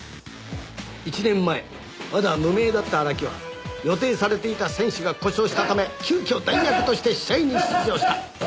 「１年前まだ無名だった荒木は予定されていた選手が故障したため急遽代役として試合に出場した」